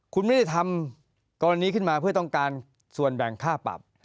คุณไม่ได้ทำกรณีขึ้นมาเพื่อต้องการส่วนแบ่งค่าปรับ